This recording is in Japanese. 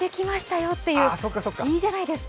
よっていいじゃないですか。